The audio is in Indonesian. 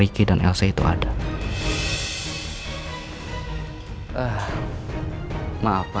tapi kalau'san saja kalau apa tasugannya itu